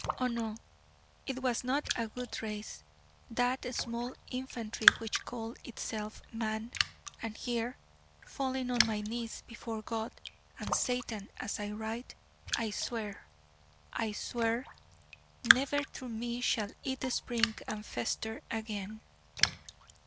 Oh no, it was not a good race, that small infantry which called itself Man: and here, falling on my knees before God and Satan as I write, I swear, I swear: Never through me shall it spring and fester again.